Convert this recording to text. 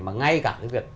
mà ngay cả cái việc